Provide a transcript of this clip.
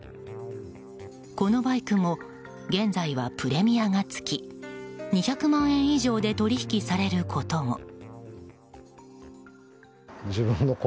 このバイクも現在はプレミアが付き２００万円以上で取引されることも。